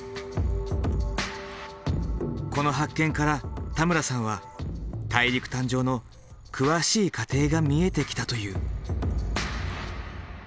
この発見から田村さんは大陸誕生の詳しい過程が見えてきたという。